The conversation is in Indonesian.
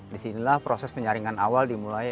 di sinilah proses penyaringan awal dimulai